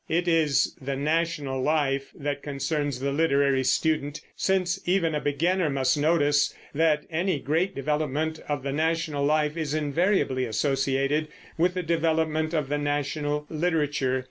It is the national life that concerns the literary student, since even a beginner must notice that any great development of the national life is invariably associated with a development of the national literature.